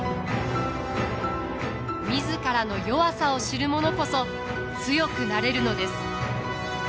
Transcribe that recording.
自らの弱さを知る者こそ強くなれるのです。